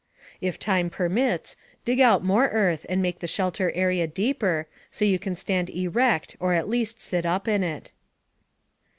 If time permits, dig out more earth and make the shelter area deeper, so you can stand erect or at least sit up in it.